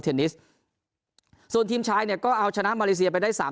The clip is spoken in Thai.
นิสส่วนทีมชายเนี่ยก็เอาชนะมาเลเซียไปได้สาม